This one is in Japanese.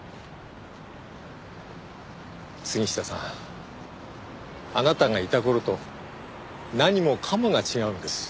杉下さんあなたがいた頃と何もかもが違うんです。